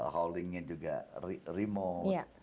hauling nya juga remote